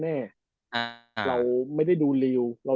เราไม่ได้ดูริว